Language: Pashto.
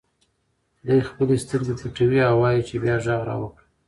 دی خپلې سترګې پټوي او وایي چې بیا غږ راوکړه.